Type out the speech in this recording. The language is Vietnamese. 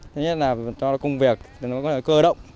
thứ nhất là cho công việc nó có cơ động